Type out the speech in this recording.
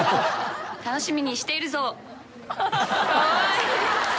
楽しみにしているぞ！